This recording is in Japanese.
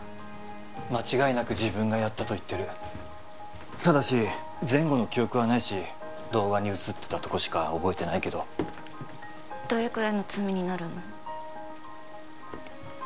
間違いなく自分がやったと言ってるただし前後の記憶はないし動画に写ってたとこしか覚えてないけどどれくらいの罪になるの？